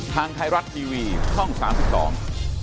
ทางไทยรัฐทีวีช่องสามสิบสอง